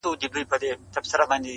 o له کلي و تښته، له نرخه ئې نه٫